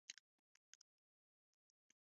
سپین مرغان په هوا کې پیدا سوي دي.